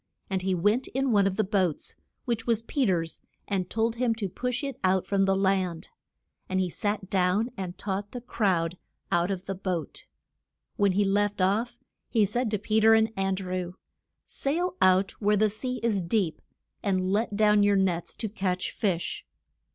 And he went in one of the boats, which was Pe ter's and told him to push it out from the land. And he sat down, and taught the crowd out of the boat. When he left off, he said to Pe ter and An drew, Sail out where the sea is deep, and let down your nets to catch fish.